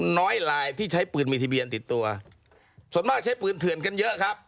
น้อยลายที่ใช้ปืนมีทะเบียนติดตัวส่วนมากใช้ปืนเถื่อนกันเยอะครับ